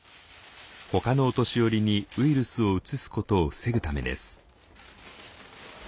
ほかのお年寄りにウイルスをうつすことを防ぐためです。